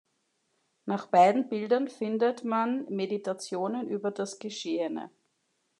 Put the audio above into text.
Nach beiden Bildern findet man Meditationen über das Geschehene.